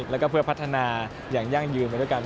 แล้วก็เพื่อพัฒนาอย่างยั่งยืนไปด้วยกัน